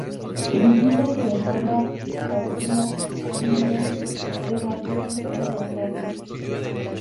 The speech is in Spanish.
Brígida y su hermana Joaquina vivían en la Colonia San Rafael.